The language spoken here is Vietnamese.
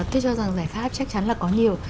tôi cho rằng giải pháp chắc chắn là có nhiều